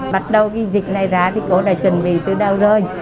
bắt đầu cái dịch này ra thì cô đã chuẩn bị từ đầu rồi